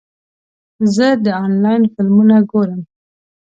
زه د انلاین فلمونه ګورم.